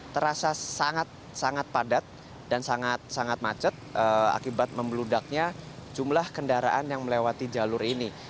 terasa sangat sangat padat dan sangat sangat macet akibat membeludaknya jumlah kendaraan yang melewati jalur ini